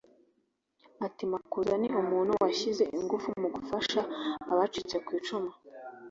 Ati « Makuza ni umuntu washyize ingufu mu gufasha abacitse ku icumu